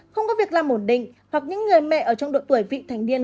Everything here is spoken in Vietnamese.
không có việc làm ổn định hoặc những người mẹ ở trong độ tuổi vị thành niên